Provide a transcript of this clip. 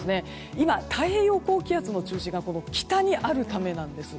今、太平洋高気圧の中心が北にあるためなんです。